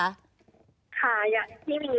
ค่ะอย่างที่มี